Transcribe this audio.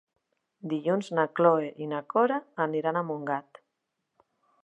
Dilluns na Cloè i na Cora aniran a Montgat.